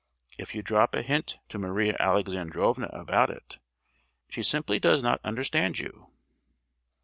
If you drop a hint to Maria Alexandrovna about it, she simply does not understand you.